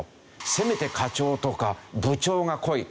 せめて課長とか部長が来い！なんて